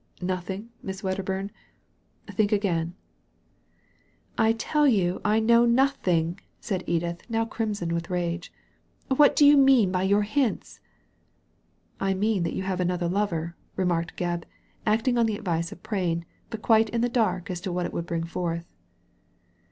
" Nothing, Miss Wedderbum ? Think again." Digitized by Google STRANGE BEHAVIOUR 107 ^I tell you I know nothing," said Edith, now crimson with rage. ^What do you mean by your hints?" • I mean that you have another lover/' remarked Gebb, acting on the advice of Prain, but quite in the dark as to what it would bring forth.